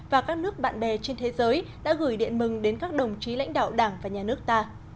và các nước bạn bè trên thế giới đã gửi điện mừng đến các đồng chí lãnh đạo đảng và nhà nước ta